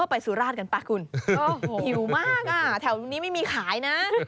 ไปสุราชกันป่ะคุณหิวมากอ่ะแถวตรงนี้ไม่มีขายนะ